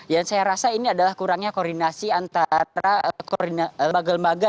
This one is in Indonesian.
saya rasa ini adalah kurangnya koordinasi antara lembaga lembaga